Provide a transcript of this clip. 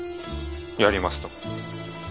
やりますとも。